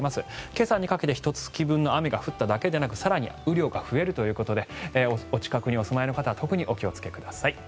今朝にかけてひと月分の雨が降っただけでなく更に雨量が増えるということでお近くにお住まいの方は特にお気をつけください。